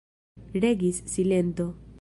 Regis silento.